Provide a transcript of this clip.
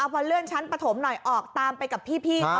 พอเลื่อนชั้นปฐมหน่อยออกตามไปกับพี่เขา